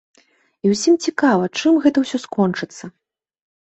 І ўсім цікава, чым гэта ўсё скончыцца.